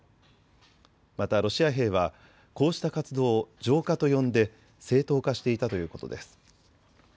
またロシア兵はこうした活動を浄化と呼んで正当化していたということです。